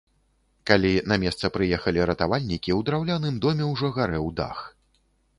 Калі на месца прыехалі ратавальнікі, у драўляным доме ўжо гарэў дах.